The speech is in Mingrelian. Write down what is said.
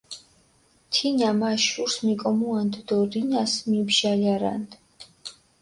თინა მა შურს მიკომუანდჷ დო რინას მიბჟალარანდჷ.